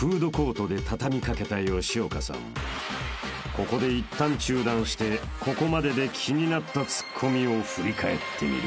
［ここでいったん中断してここまでで気になったツッコミを振り返ってみる］